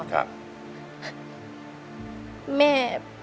ครับ